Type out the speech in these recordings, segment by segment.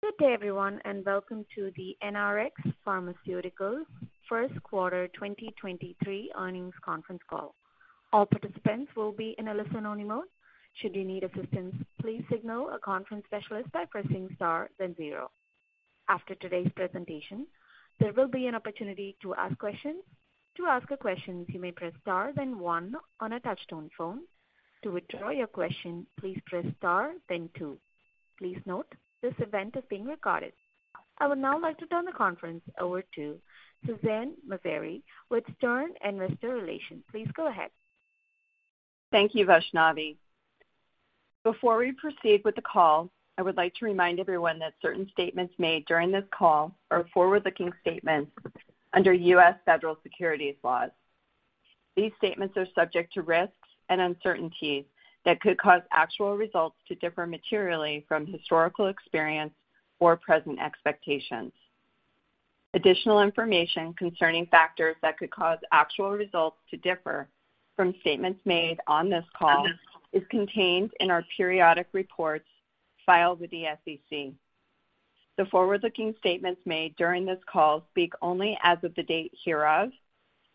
Good day everyone, and welcome to the NRx Pharmaceuticals First Quarter 2023 Earnings Conference Call. All participants will be in a listen-only mode. Should you need assistance, please signal a conference specialist by pressing star, then zero. After today's presentation, there will be an opportunity to ask questions. To ask a question, you may press star then one on a touch-tone phone. To withdraw your question, please press star then two. Please note this event is being recorded. I would now like to turn the conference over to Suzanne Mes sere with Stern & Investor Relations. Please go ahead. Thank you, Vashnavi. Before we proceed with the call, I would like to remind everyone that certain statements made during this call are forward-looking statements under U.S. Federal Securities laws. These statements are subject to risks and uncertainties that could cause actual results to differ materially from historical experience or present expectations. Additional information concerning factors that could cause actual results to differ from statements made on this call is contained in our periodic reports filed with the SEC. The forward-looking statements made during this call speak only as of the date hereof,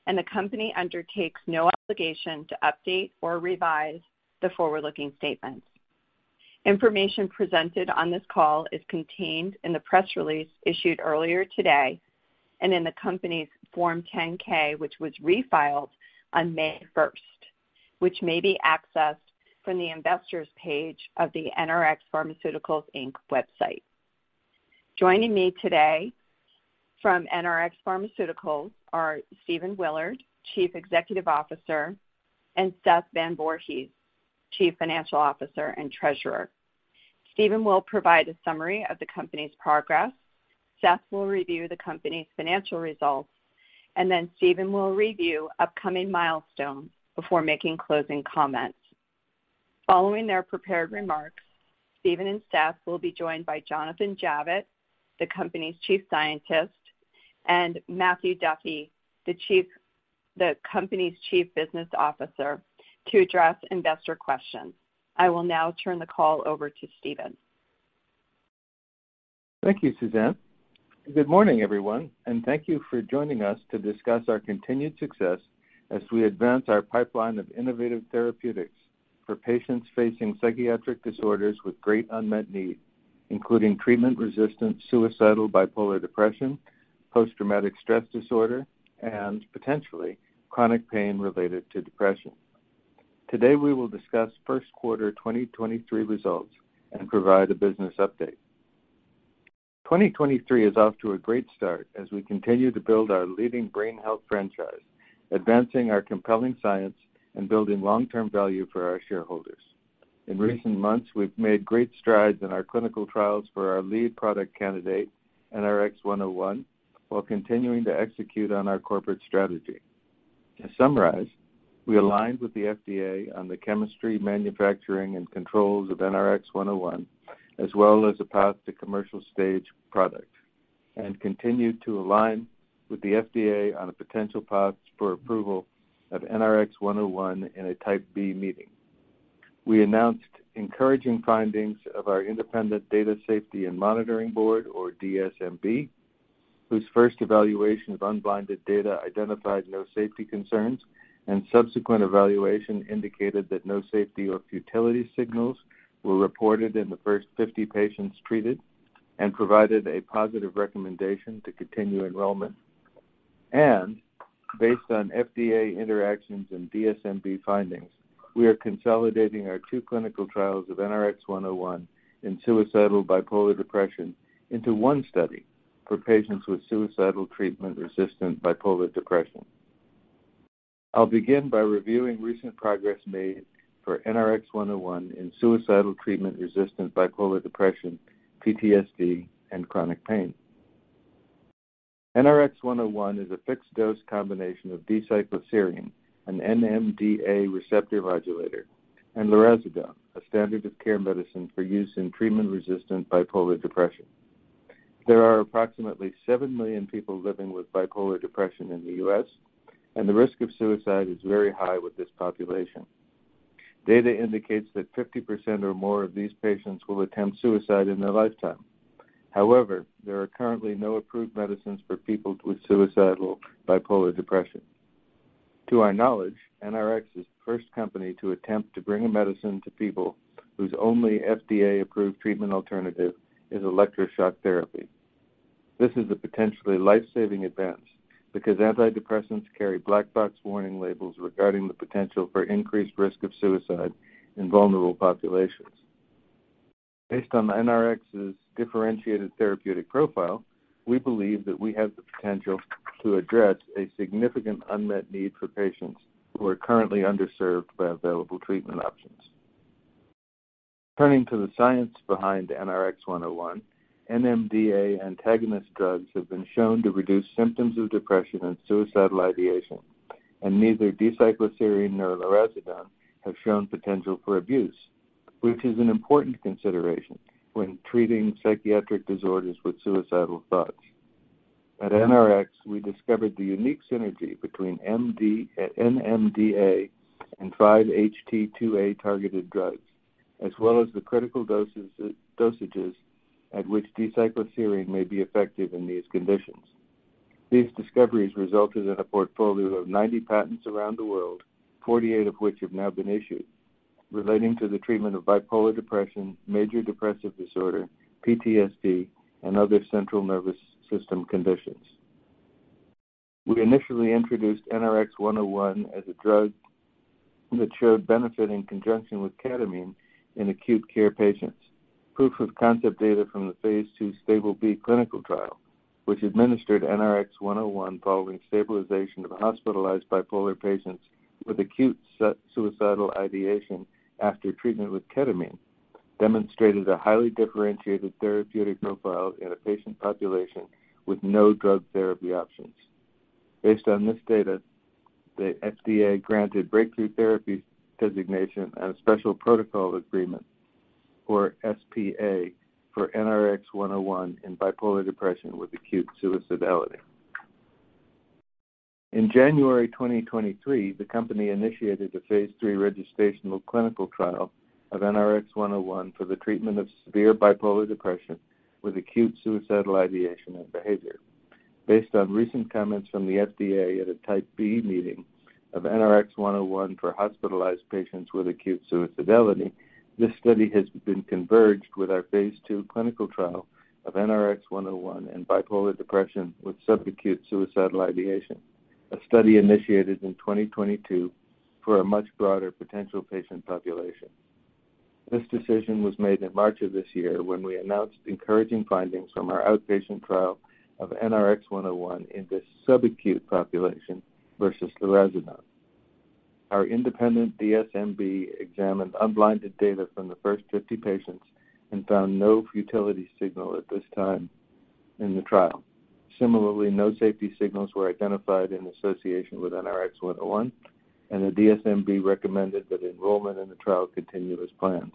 and the company undertakes no obligation to update or revise the forward-looking statements. Information presented on this call is contained in the press release issued earlier today and in the company's Form 10-K, which was refiled on May 1st, which may be accessed from the investors page of the NRx Pharmaceuticals, Inc. website. Joining me today from NRx Pharmaceuticals are Stephen Willard, Chief Executive Officer, and Seth Van Voorhees, Chief Financial Officer and Treasurer. Stephen will provide a summary of the company's progress. Seth will review the company's financial results. Stephen will review upcoming milestones before making closing comments. Following their prepared remarks, Stephen and Seth will be joined by Jonathan Javitt, the company's Chief Scientist, and Matthew Duffy, the company's Chief Business Officer, to address investor questions. I will now turn the call over to Stephen. Thank you, Suzanne Messere. Good morning, everyone, thank you for joining us to discuss our continued success as we advance our pipeline of innovative therapeutics for patients facing psychiatric disorders with great unmet need, including treatment-resistant suicidal bipolar depression, post-traumatic stress disorder, and potentially chronic pain related to depression. Today, we will discuss first quarter 2023 results and provide a business update. 2023 is off to a great start as we continue to build our leading brain health franchise, advancing our compelling science and building long-term value for our shareholders. In recent months, we've made great strides in our clinical trials for our lead product candidate, NRX-101, while continuing to execute on our corporate strategy. To summarize, we aligned with the FDA on the chemistry, manufacturing, and controls of NRX-101, as well as a path to commercial stage product, and continued to align with the FDA on a potential path for approval of NRX-101 in a Type B meeting. We announced encouraging findings of our independent Data Safety and Monitoring Board, or DSMB, whose first evaluation of unblinded data identified no safety concerns, and subsequent evaluation indicated that no safety or futility signals were reported in the first 50 patients treated and provided a positive recommendation to continue enrollment. Based on FDA interactions and DSMB findings, we are consolidating our two clinical trials of NRX-101 in suicidal bipolar depression into one study for patients with suicidal treatment-resistant bipolar depression. I'll begin by reviewing recent progress made for NRX-101 in suicidal treatment-resistant bipolar depression, PTSD, and chronic pain. NRX-101 is a fixed dose combination of D-cycloserine, an NMDA receptor modulator, and lurasidone, a standard of care medicine for use in treatment-resistant bipolar depression. There are approximately 7 million people living with bipolar depression in the U.S., and the risk of suicide is very high with this population. Data indicates that 50% or more of these patients will attempt suicide in their lifetime. However, there are currently no approved medicines for people with suicidal bipolar depression. To our knowledge, NRx is the first company to attempt to bring a medicine to people whose only FDA-approved treatment alternative is electroshock therapy. This is a potentially life-saving advance because antidepressants carry black box warning labels regarding the potential for increased risk of suicide in vulnerable populations. Based on NRx's differentiated therapeutic profile, we believe that we have the potential to address a significant unmet need for patients who are currently underserved by available treatment options. Turning to the science behind NRX-101, NMDA antagonist drugs have been shown to reduce symptoms of depression and suicidal ideation. Neither D-cycloserine nor lurasidone have shown potential for abuse, which is an important consideration when treating psychiatric disorders with suicidal thoughts. At NRx, we discovered the unique synergy between MD at NMDA and 5-HT2A-targeted drugs, as well as the critical dosages at which D-cycloserine may be effective in these conditions. These discoveries resulted in a portfolio of 90 patents around the world, 48 of which have now been issued, relating to the treatment of bipolar depression, major depressive disorder, PTSD, and other central nervous system conditions. We initially introduced NRX-101 as a drug that showed benefit in conjunction with ketamine in acute care patients. Proof of concept data from the phase II STABIL-B clinical trial, which administered NRX-101 following stabilization of hospitalized bipolar patients with acute suicidal ideation after treatment with ketamine, demonstrated a highly differentiated therapeutic profile in a patient population with no drug therapy options. Based on this data, the FDA granted Breakthrough Therapy designation and a Special Protocol Assessment or SPA for NRX-101 in bipolar depression with acute suicidality. In January 2023, the company initiated a phase III registrational clinical trial of NRX-101 for the treatment of severe bipolar depression with acute suicidal ideation and behavior. Based on recent comments from the FDA at a Type B meeting of NRX-101 for hospitalized patients with acute suicidality, this study has been converged with our phase II clinical trial of NRX-101 in bipolar depression with subacute suicidal ideation. A study initiated in 2022 for a much broader potential patient population. This decision was made in March of this year when we announced encouraging findings from our outpatient trial of NRX-101 in this subacute population versus lurasidone. Our independent DSMB examined unblinded data from the first 50 patients and found no futility signal at this time in the trial. Similarly, no safety signals were identified in association with NRX-101, and the DSMB recommended that enrollment in the trial continue as planned.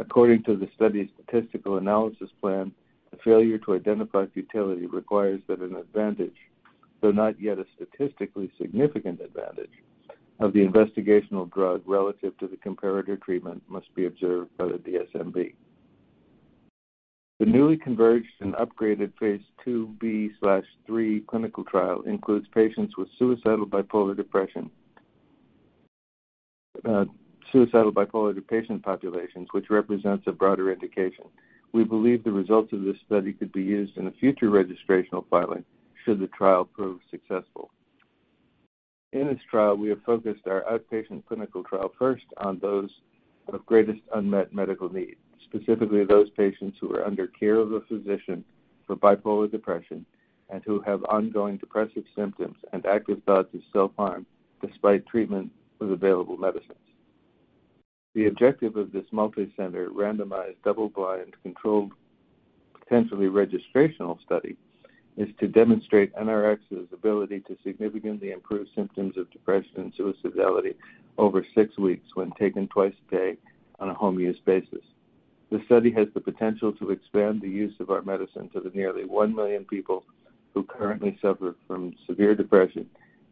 According to the study's statistical analysis plan, the failure to identify futility requires that an advantage, though not yet a statistically significant advantage, of the investigational drug relative to the comparator treatment, must be observed by the DSMB. The newly converged and upgraded phase II-B/III clinical trial includes patients with suicidal bipolar patient populations, which represents a broader indication. We believe the results of this study could be used in a future registrational filing should the trial prove successful. In this trial, we have focused our outpatient clinical trial first on those of greatest unmet medical needs, specifically those patients who are under care of a physician for bipolar depression and who have ongoing depressive symptoms and active thoughts of self-harm despite treatment with available medicines. The objective of this multicenter randomized double-blind, controlled, potentially registrational study is to demonstrate NRx's ability to significantly improve symptoms of depression and suicidality over six weeks when taken twice a day on a home-use basis. The study has the potential to expand the use of our medicine to the nearly 1 million people who currently suffer from severe depression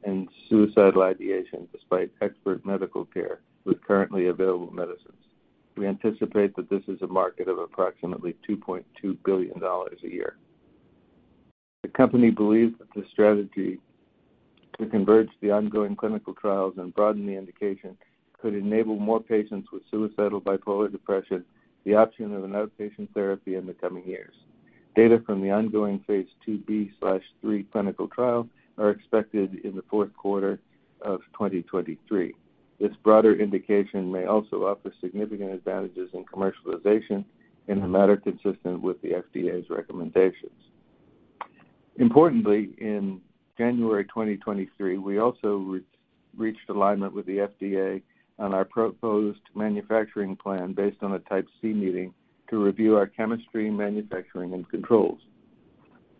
and suicidal ideation despite expert medical care with currently available medicines. We anticipate that this is a market of approximately $2.2 billion a year. The company believes that the strategy to converge the ongoing clinical trials and broaden the indication could enable more patients with suicidal bipolar depression the option of an outpatient therapy in the coming years. Data from the ongoing phase II-B/III clinical trial are expected in the fourth quarter of 2023. This broader indication may also offer significant advantages in commercialization in a manner consistent with the FDA's recommendations. In January 2023, we also re-reached alignment with the FDA on our proposed manufacturing plan based on a Type C meeting to review our chemistry, manufacturing, and controls.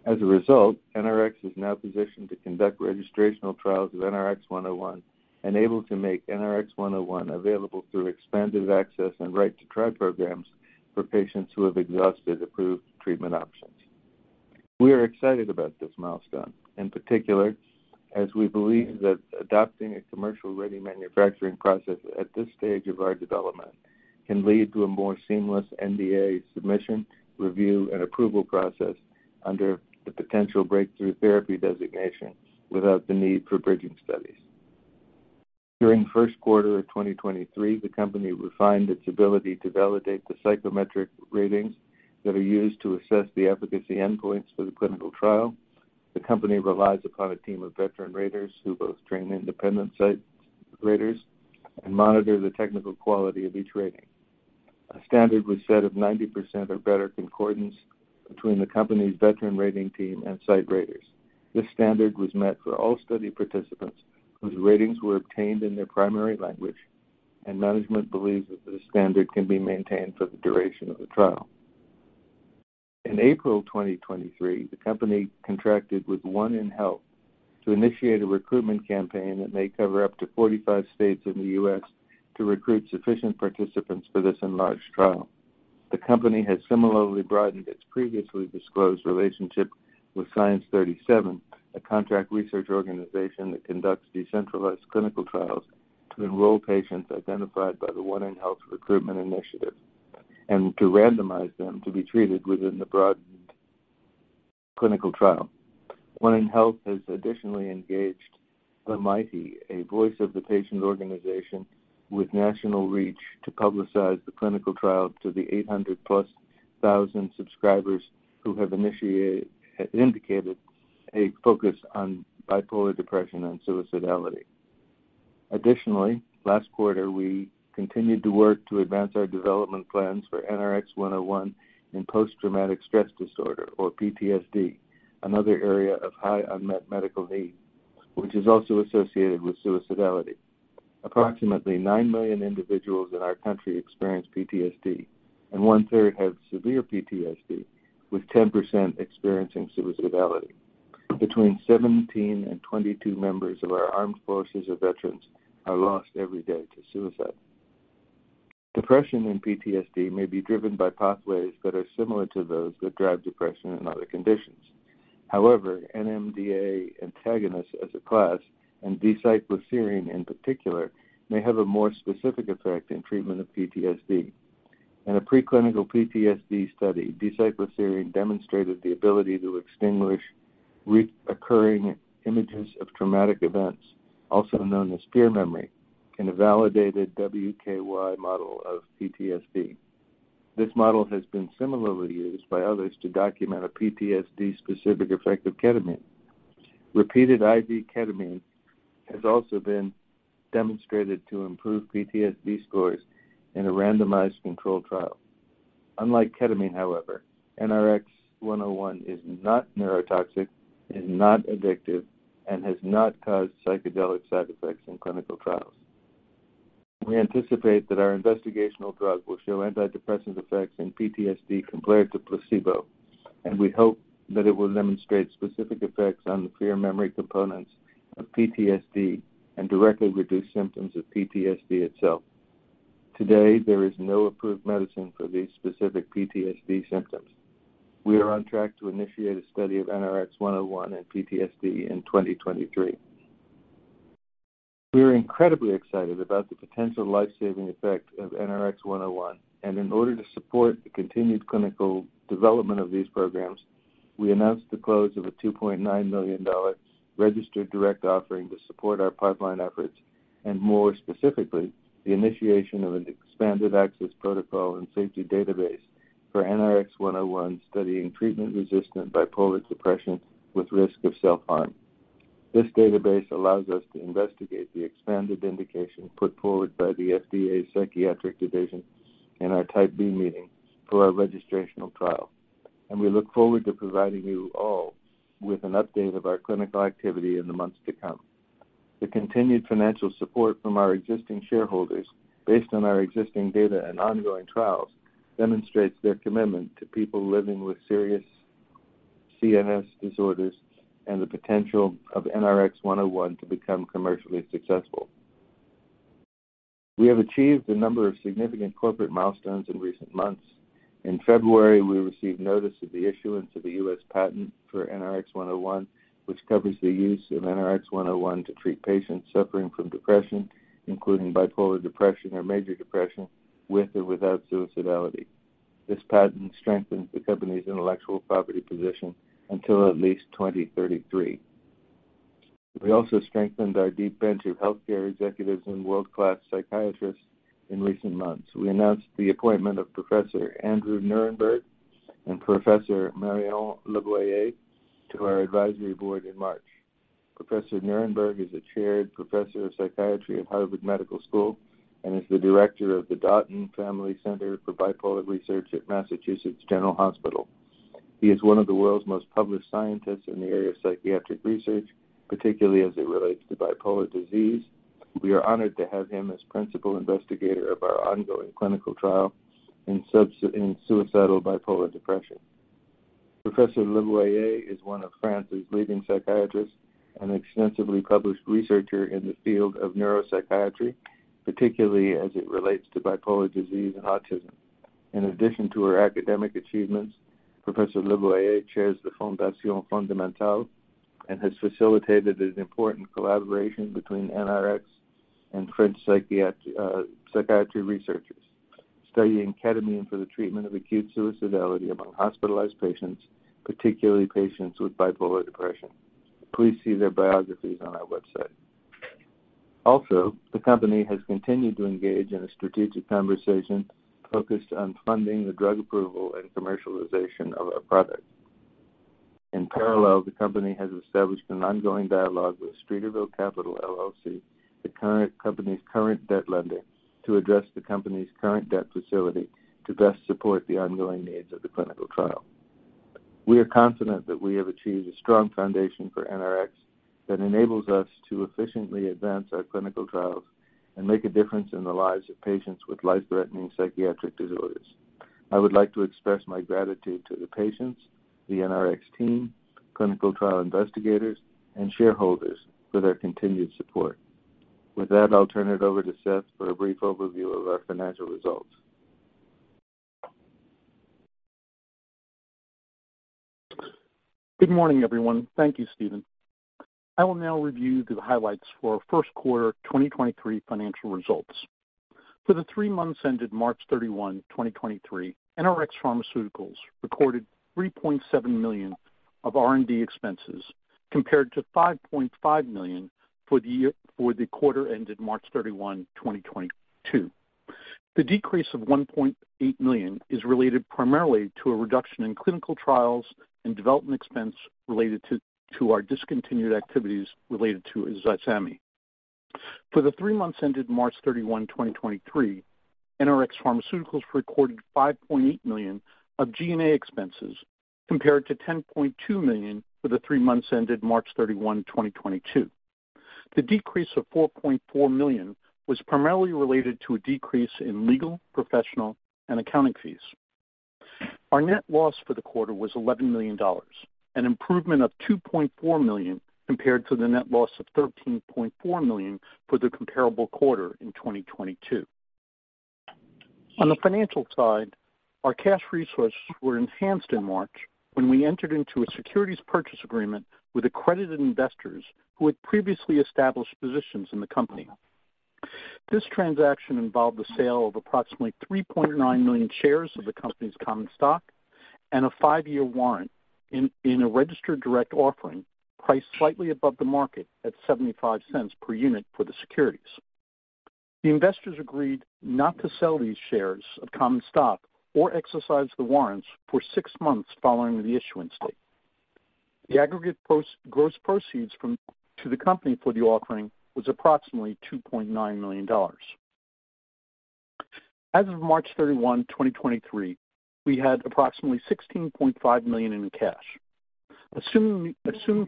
NRX is now positioned to conduct registrational trials of NRX-101 and able to make NRX-101 available through expanded access and Right to Try programs for patients who have exhausted approved treatment options. We are excited about this milestone, in particular, as we believe that adopting a commercial-ready manufacturing process at this stage of our development can lead to a more seamless NDA submission, review, and approval process under the potential Breakthrough Therapy designation without the need for bridging studies. During first quarter of 2023, the company refined its ability to validate the psychometric ratings that are used to assess the efficacy endpoints for the clinical trial. The company relies upon a team of veteran raters who both train independent site raters and monitor the technical quality of each rating. A standard was set of 90% or better concordance between the company's veteran rating team and site raters. This standard was met for all study participants whose ratings were obtained in their primary language, and management believes that this standard can be maintained for the duration of the trial. In April 2023, the company contracted with 1nHealth to initiate a recruitment campaign that may cover up to 45 states in the U.S. to recruit sufficient participants for this enlarged trial. The company has similarly broadened its previously disclosed relationship with Science 37, a contract research organization that conducts decentralized clinical trials to enroll patients identified by the 1nHealth Recruitment Initiative and to randomize them to be treated within the broadened clinical trial. 1nHealth has additionally engaged The Mighty, a voice of the patient organization with national reach, to publicize the clinical trial to the 800+ thousand subscribers who have indicated a focus on bipolar depression and suicidality. Last quarter, we continued to work to advance our development plans for NRX-101 in post-traumatic stress disorder, or PTSD, another area of high unmet medical need, which is also associated with suicidality. Approximately 9 million individuals in our country experience PTSD, and one-third have severe PTSD, with 10% experiencing suicidality. Between 17 and 22 members of our armed forces or veterans are lost every day to suicide. Depression and PTSD may be driven by pathways that are similar to those that drive depression and other conditions. However, NMDA antagonists as a class, and D-cycloserine in particular, may have a more specific effect in treatment of PTSD. In a preclinical PTSD study, D-cycloserine demonstrated the ability to extinguish reoccurring images of traumatic events, also known as fear memory, in a validated WKY model of PTSD. This model has been similarly used by others to document a PTSD-specific effect of ketamine. Repeated IV ketamine has also been demonstrated to improve PTSD scores in a randomized controlled trial. Unlike ketamine, however, NRX-101 is not neurotoxic, is not addictive, and has not caused psychedelic side effects in clinical trials. We anticipate that our investigational drug will show antidepressant effects in PTSD compared to placebo, and we hope that it will demonstrate specific effects on the fear memory components of PTSD and directly reduce symptoms of PTSD itself. Today, there is no approved medicine for these specific PTSD symptoms. We are on track to initiate a study of NRX-101 and PTSD in 2023. We are incredibly excited about the potential life-saving effect of NRX-101, and in order to support the continued clinical development of these programs, we announced the close of a $2.9 million registered direct offering to support our pipeline efforts and, more specifically, the initiation of an expanded access protocol and safety database for NRX-101 studying treatment-resistant bipolar depression with risk of self-harm. This database allows us to investigate the expanded indication put forward by the FDA Division of Psychiatry in our Type B meeting for our registrational trial. We look forward to providing you all with an update of our clinical activity in the months to come. The continued financial support from our existing shareholders based on our existing data and ongoing trials demonstrates their commitment to people living with serious CNS disorders and the potential of NRX-101 to become commercially successful. We have achieved a number of significant corporate milestones in recent months. In February, we received notice of the issuance of a U.S. patent for NRX-101, which covers the use of NRX-101 to treat patients suffering from depression, including bipolar depression or major depression with or without suicidality. This patent strengthens the company's intellectual property position until at least 2033. We also strengthened our deep bench of healthcare executives and world-class psychiatrists in recent months. We announced the appointment of Professor Andrew Nierenberg and Professor Marion Leboyer to our advisory board in March. Professor Nierenberg is a chaired professor of psychiatry at Harvard Medical School and is the Director of the Dauten Family Center for Bipolar Research at Massachusetts General Hospital. He is one of the world's most published scientists in the area of psychiatric research, particularly as it relates to bipolar disease. We are honored to have him as principal investigator of our ongoing clinical trial in suicidal bipolar depression. Professor Leboyer is one of France's leading psychiatrists, an extensively published researcher in the field of neuropsychiatry, particularly as it relates to bipolar disease and autism. In addition to her academic achievements, Professor Leboyer chairs the Fondation FondaMental and has facilitated an important collaboration between NRx and French psychiatry researchers studying ketamine for the treatment of acute suicidality among hospitalized patients, particularly patients with bipolar depression. Please see their biographies on our website. The company has continued to engage in a strategic conversation focused on funding the drug approval and commercialization of our product. In parallel, the company has established an ongoing dialogue with Streeterville Capital, LLC, the company's current debt lender, to address the company's current debt facility to best support the ongoing needs of the clinical trial. We are confident that we have achieved a strong foundation for NRx that enables us to efficiently advance our clinical trials and make a difference in the lives of patients with life-threatening psychiatric disorders. I would like to express my gratitude to the patients, the NRx team, clinical trial investigators, and shareholders for their continued support. With that, I'll turn it over to Seth for a brief overview of our financial results. Good morning, everyone. Thank you, Stephen. I will now review the highlights for our first quarter 2023 financial results. For the three months ended March 31, 2023, NRx Pharmaceuticals recorded $3.7 million of R&D expenses compared to $5.5 million for the quarter ended March 31, 2022. The decrease of $1.8 million is related primarily to a reduction in clinical trials and development expense related to our discontinued activities related to ZYESAMI. For the three months ended March 31, 2023, NRx Pharmaceuticals recorded $5.8 million of G&A expenses compared to $10.2 million for the three months ended March 31, 2022. The decrease of $4.4 million was primarily related to a decrease in legal, professional, and accounting fees. Our net loss for the quarter was $11 million, an improvement of $2.4 million compared to the net loss of $13.4 million for the comparable quarter in 2022. On the financial side, our cash resources were enhanced in March when we entered into a securities purchase agreement with accredited investors who had previously established positions in the company. This transaction involved the sale of approximately 3.9 million shares of the company's common stock and a five-year warrant in a registered direct offering priced slightly above the market at $0.75 per unit for the securities. The investors agreed not to sell these shares of common stock or exercise the warrants for six months following the issuance date. The aggregate gross proceeds from to the company for the offering was approximately $2.9 million. As of March 31, 2023, we had approximately $16.5 million in cash. Assuming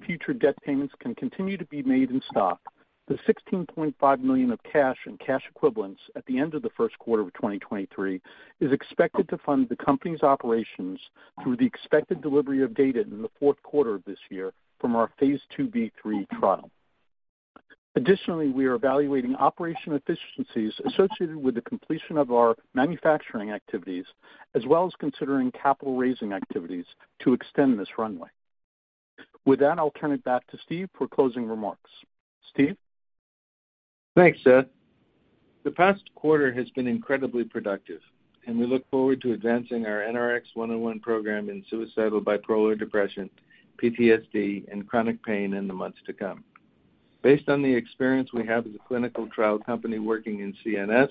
future debt payments can continue to be made in stock, the $16.5 million of cash and cash equivalents at the end of the first quarter of 2023 is expected to fund the company's operations through the expected delivery of data in the fourth quarter of this year from our phase II-B/III trial. Additionally, we are evaluating operation efficiencies associated with the completion of our manufacturing activities, as well as considering capital raising activities to extend this runway. With that, I'll turn it back to Steve for closing remarks. Steve. Thanks, Seth. The past quarter has been incredibly productive. We look forward to advancing our NRX-101 program in suicidal bipolar depression, PTSD, and chronic pain in the months to come. Based on the experience we have as a clinical trial company working in CNS,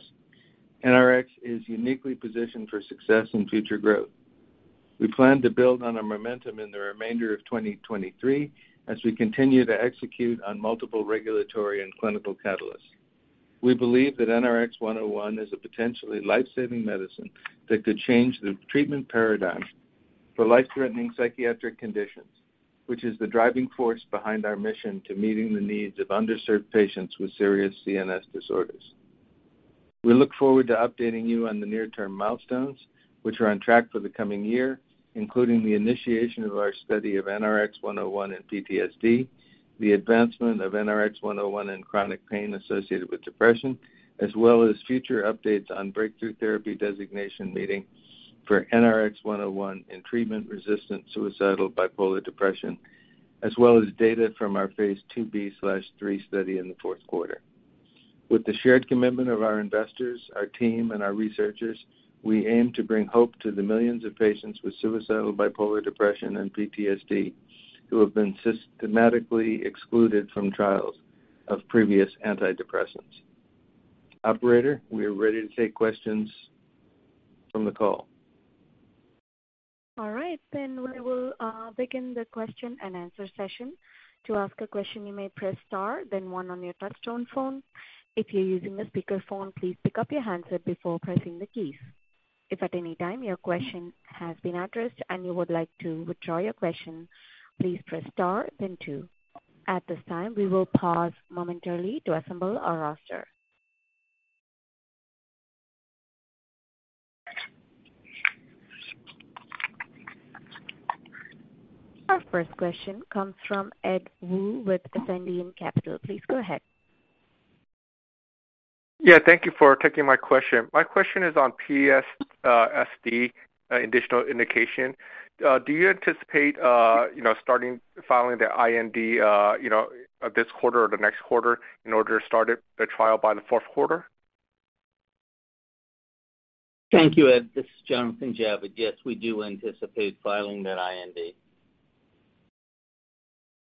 NRx is uniquely positioned for success and future growth. We plan to build on our momentum in the remainder of 2023 as we continue to execute on multiple regulatory and clinical catalysts. We believe that NRX-101 is a potentially life-saving medicine that could change the treatment paradigm for life-threatening psychiatric conditions, which is the driving force behind our mission to meeting the needs of underserved patients with serious CNS disorders. We look forward to updating you on the near-term milestones which are on track for the coming year, including the initiation of our study of NRX-101 in PTSD, the advancement of NRX-101 in chronic pain associated with depression, as well as future updates on Breakthrough Therapy designation meeting for NRX-101 in treatment-resistant suicidal bipolar depression, as well as data from our phase II-B/III study in the fourth quarter. With the shared commitment of our investors, our team, and our researchers, we aim to bring hope to the millions of patients with suicidal bipolar depression and PTSD who have been systematically excluded from trials of previous antidepressants. Operator, we are ready to take questions from the call. All right, then we will begin the question and answer session. To ask a question, you may press star then one on your touchtone phone. If you're using a speakerphone, please pick up your handset before pressing the keys. If at any time your question has been addressed and you would like to withdraw your question, please press star then two. At this time, we will pause momentarily to assemble our roster. Our first question comes from Edward Woo with Ascendiant Capital. Please go ahead. Yeah. Thank you for taking my question. My question is on PTSD additional indication. Do you anticipate, you know, starting filing the IND, you know, this quarter or the next quarter in order to start it the trial by the fourth quarter? Thank you, Ed. This is Jonathan Javitt. Yes, we do anticipate filing that IND.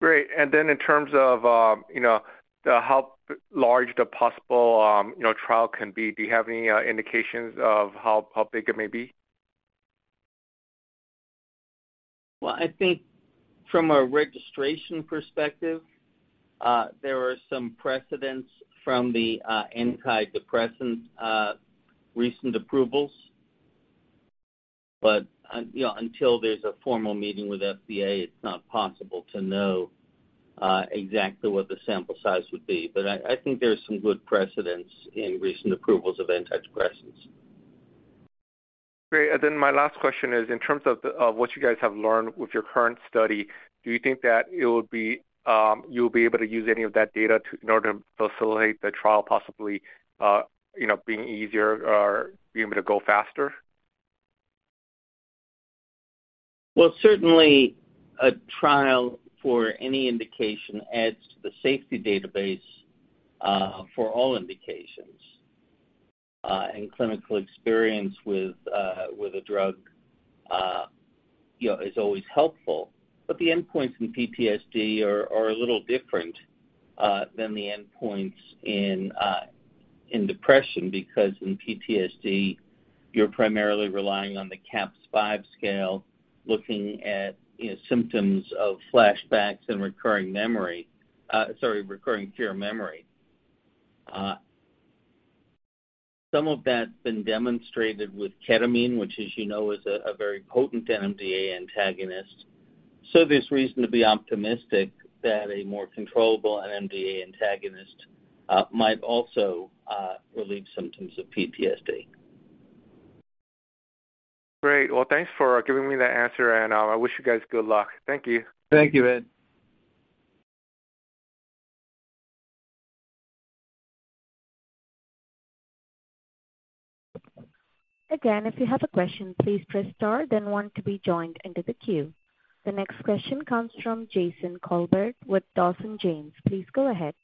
Great. Then in terms of, you know, how large the possible, you know, trial can be, do you have any indications of how big it may be? Well, I think from a registration perspective, there are some precedents from the antidepressant recent approvals. You know, until there's a formal meeting with FDA, it's not possible to know exactly what the sample size would be. I think there's some good precedents in recent approvals of antidepressants. Great. My last question is, in terms of what you guys have learned with your current study, do you think that it will be, you'll be able to use any of that data in order to facilitate the trial possibly, you know, being easier or being able to go faster? Well, certainly a trial for any indication adds to the safety database for all indications. Clinical experience with a drug, you know, is always helpful. The endpoints in PTSD are a little different than the endpoints in depression, because in PTSD, you're primarily relying on the CAPS-5 scale, looking at, you know, symptoms of flashbacks and recurring memory, sorry, recurring fear memory. Some of that's been demonstrated with ketamine, which as you know, is a very potent NMDA antagonist. There's reason to be optimistic that a more controllable NMDA antagonist might also relieve symptoms of PTSD. Great. Well, thanks for giving me that answer, and I wish you guys good luck. Thank you. Thank you, Ed. Again, if you have a question, please press star then one to be joined into the queue. The next question comes from Jason Kolbert with Dawson James. Please go ahead.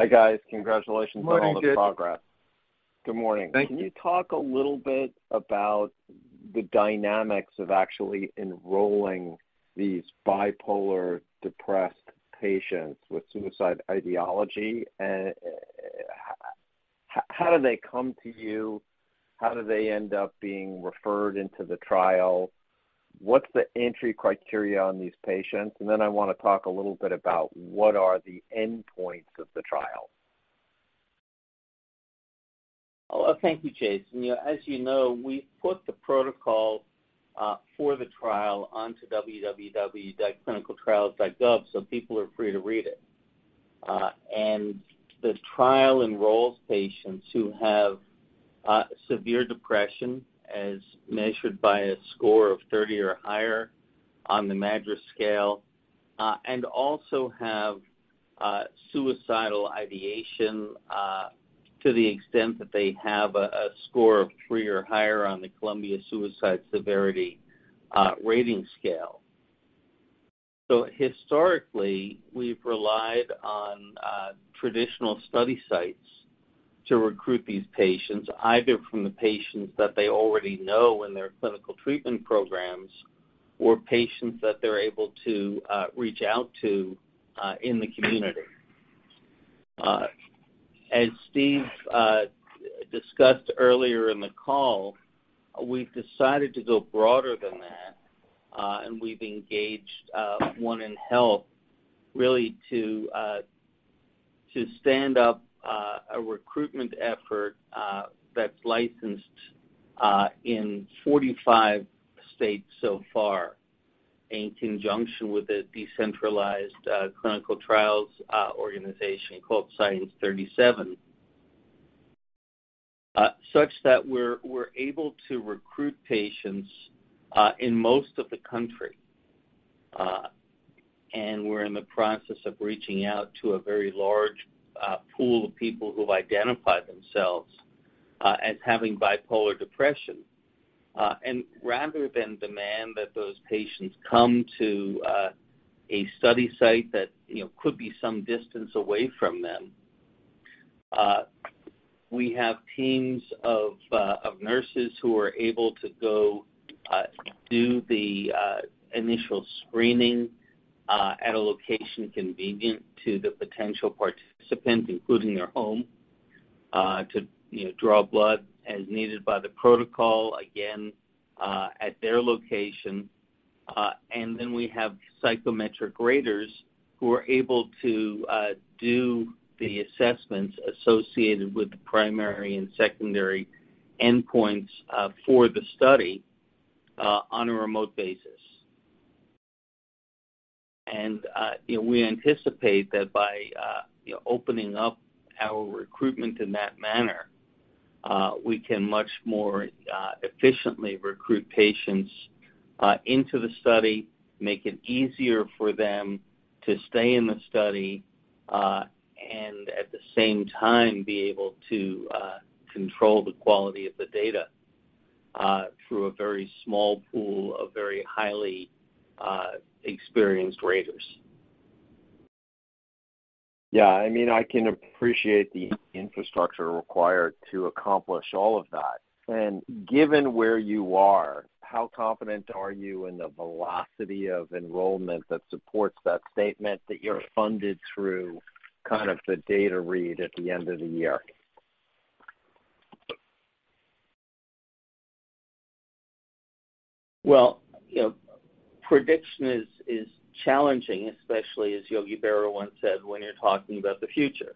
Hi, guys. Congratulations on all the progress. Morning, Jason. Good morning. Thank you. Can you talk a little bit about the dynamics of actually enrolling these bipolar depressed patients with suicide ideology? how do they come to you? How do they end up being referred into the trial? What's the entry criteria on these patients? then I wanna talk a little bit about what are the endpoints of the trial. Well, thank you, Jason. You know, as you know, we put the protocol for the trial onto ClinicalTrials.gov, so people are free to read it. And the trial enrolls patients who have severe depression as measured by a score of 30 or higher on the MADRS scale, and also have suicidal ideation to the extent that they have a score of three or higher on the Columbia-Suicide Severity Rating Scale. Historically, we've relied on traditional study sites to recruit these patients, either from the patients that they already know in their clinical treatment programs or patients that they're able to reach out to in the community. As Steve discussed earlier in the call, we've decided to go broader than that. We've engaged 1nHealth, really to stand up a recruitment effort that's licensed in 45 states so far in conjunction with a decentralized clinical trials organization called Science 37. Such that we're able to recruit patients in most of the country. We're in the process of reaching out to a very large pool of people who've identified themselves as having bipolar depression. Rather than demand that those patients come to a study site that, you know, could be some distance away from them, we have teams of nurses who are able to go do the initial screening at a location convenient to the potential participant, including their home, to, you know, draw blood as needed by the protocol, again, at their location. We have psychometric graders who are able to do the assessments associated with the primary and secondary endpoints for the study on a remote basis. You know, we anticipate that by, you know, opening up our recruitment in that manner, we can much more efficiently recruit patients into the study, make it easier for them to stay in the study, and at the same time, be able to control the quality of the data through a very small pool of very highly experienced graders. Yeah. I mean, I can appreciate the infrastructure required to accomplish all of that. Given where you are, how confident are you in the velocity of enrollment that supports that statement that you're funded through kind of the data read at the end of the year? You know, prediction is challenging, especially as Yogi Berra once said, when you're talking about the future.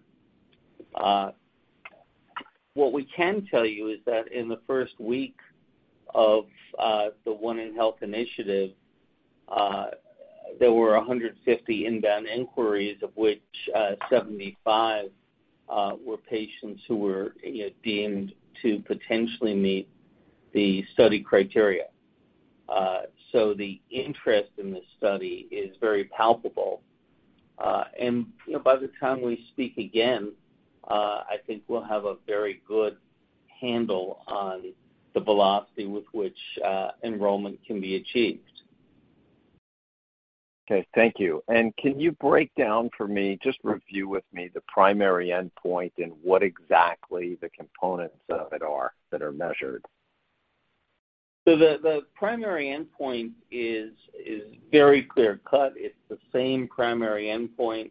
What we can tell you is that in the first week of the 1nHealth initiative, there were 150 inbound inquiries, of which 75 were patients who were, you know, deemed to potentially meet the study criteria. The interest in this study is very palpable. You know, by the time we speak again, I think we'll have a very good handle on the velocity with which enrollment can be achieved. Okay. Thank you. Can you break down for me, just review with me the primary endpoint and what exactly the components of it are that are measured? The primary endpoint is very clear-cut. It's the same primary endpoint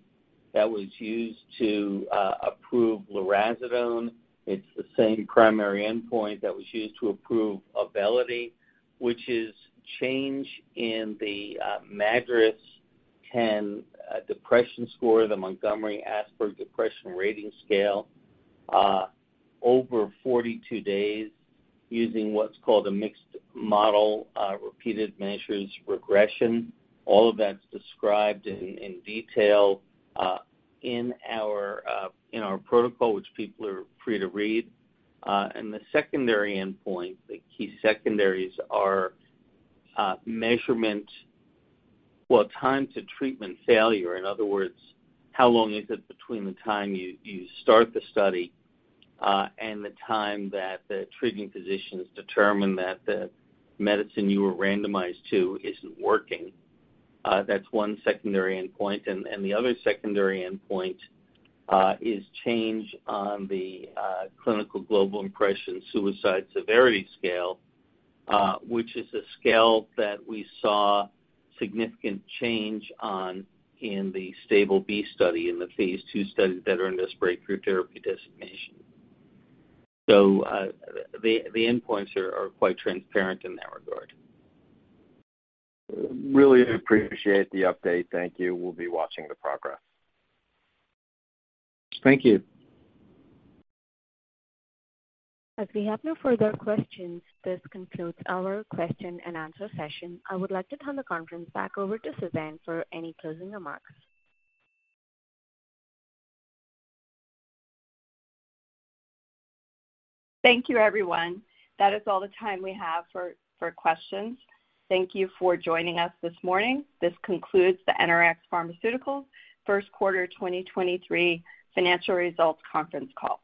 that was used to approve lurasidone. It's the same primary endpoint that was used to approve Auvelity, which is change in the MADRS depression score, the Montgomery-Åsberg Depression Rating Scale, over 42 days using what's called a mixed model repeated measures regression. All of that's described in detail in our protocol, which people are free to read. The secondary endpoint, the key secondaries are, Well, time to treatment failure. In other words, how long is it between the time you start the study and the time that the treating physicians determine that the medicine you were randomized to isn't working. That's one secondary endpoint. The other secondary endpoint, is change on the Clinical Global Impression-Suicide Severity Scale, which is a scale that we saw significant change on in the STABIL-B study, in the phase II studies that are in this Breakthrough Therapy designation. The endpoints are quite transparent in that regard. Really do appreciate the update. Thank you. We'll be watching the progress. Thank you. As we have no further questions, this concludes our question and answer session. I would like to turn the conference back over to Suzanne for any closing remarks. Thank you, everyone. That is all the time we have for questions. Thank you for joining us this morning. This concludes the NRx Pharmaceuticals First Quarter 2023 Financial Results Conference Call.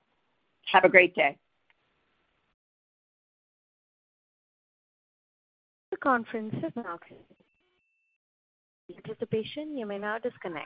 Have a great day. The conference is now closed. Anticipation, you may now disconnect.